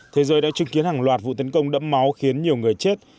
thế giới đã chứng kiến hàng loạt vụ tấn công đẫm máu khiến nhiều người chết